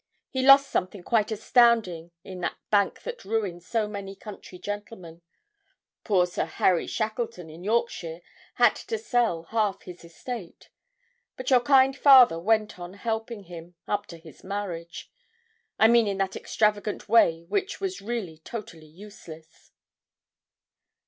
He lost something quite astounding in that bank that ruined so many country gentlemen poor Sir Harry Shackleton, in Yorkshire, had to sell half his estate. But your kind father went on helping him, up to his marriage I mean in that extravagant way which was really totally useless.'